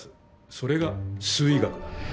それが数意学だ。